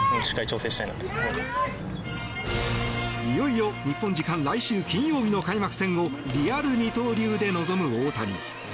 いよいよ日本時間来週金曜日の開幕戦をリアル二刀流で臨む大谷。